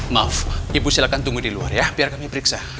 maaf ibu silakan tunggu di luar ya biar kami periksa